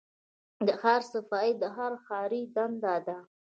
د ښار صفايي د هر ښاري دنده ده.